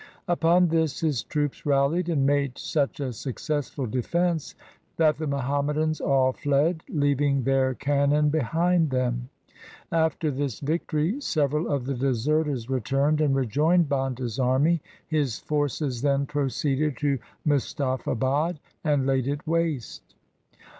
Upon this his troops rallied and made such a success ful defence that the Muhammadans all fled, leaving their cannon behind them. After this victory several of the deserters returned, and rejoined Banda's army. His forces then proceeded to Mustafabad and laid it waste.